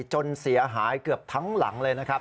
จนเสียหายเกือบทั้งหลังเลยนะครับ